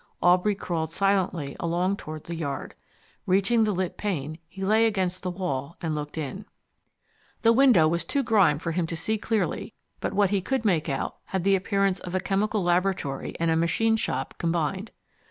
Aubrey crawled silently along toward the yard. Reaching the lit pane he lay against the wall and looked in. The window was too grimed for him to see clearly, but what he could make out had the appearance of a chemical laboratory and machine shop combined.